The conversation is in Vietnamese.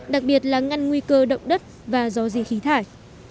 đặc biệt là ngăn nguy cơ động đất và do di khí thải